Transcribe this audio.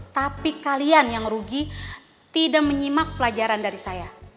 tapi kalian yang rugi tidak menyimak pelajaran dari saya